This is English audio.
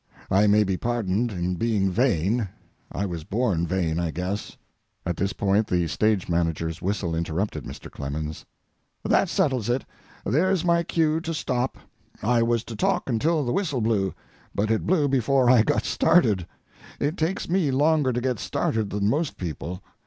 I may be pardoned in being vain. I was born vain, I guess. [At this point the stage manager's whistle interrupted Mr. Clemens.] That settles it; there's my cue to stop. I was to talk until the whistle blew, but it blew before I got started. It takes me longer to get started than most people.